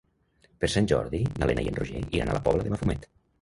Per Sant Jordi na Lena i en Roger iran a la Pobla de Mafumet.